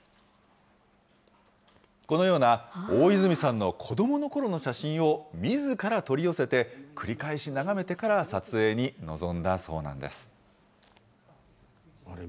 このような、大泉さんの子どものころの写真をみずから取り寄せて、繰り返し眺めてから撮影に臨んだそうなんです。